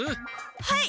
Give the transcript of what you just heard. はい！